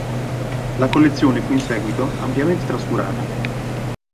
La collezione fu in seguito ampiamente trascurata.